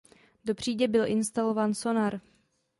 Do přídě byl instalován sonar.